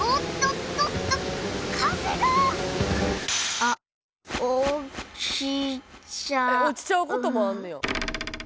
えっ落ちちゃうこともあんねや？